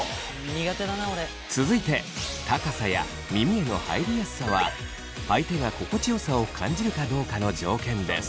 続いて高さや耳への入りやすさは相手が心地よさを感じるかどうかの条件です。